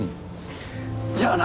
じゃあな。